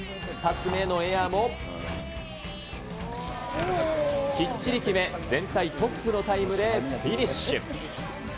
２つ目のエアもきっちり決め、全体トップのタイムでフィニッシュ。